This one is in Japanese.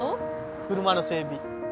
車の整備。